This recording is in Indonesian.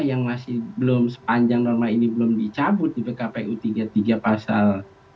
yang masih belum sepanjang norma ini belum dicabut di bkpu tiga tiga pasal dua puluh lima